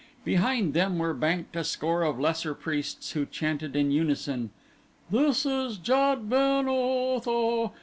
Behind them were banked a score of lesser priests who chanted in unison: "This is Jad ben Otho.